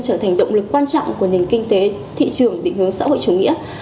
trở thành động lực quan trọng của nền kinh tế thị trường định hướng xã hội chủ nghĩa